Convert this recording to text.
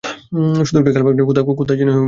শুধু একটু খেয়াল রাখবেন, কথায় যেন হিউমার থাকে!